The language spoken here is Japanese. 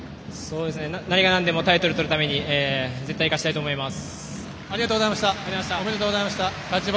何が何でもタイトル取るために絶対勝ちたいと思います。